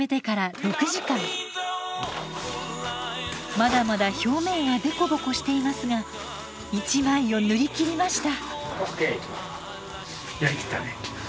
まだまだ表面はデコボコしていますが一枚を塗りきりました。